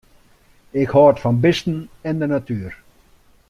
Ik hâld fan bisten en de natuer.